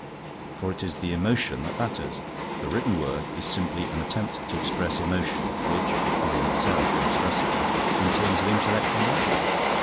For it is the emotion that matters. The written work is simply an attempt to express emotion, which is in itself inexpressible, in terms of intellect and logic.